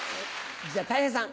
じゃあたい平さん。